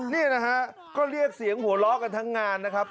นี่นะฮะก็เรียกเสียงหัวเราะกันทั้งงานนะครับ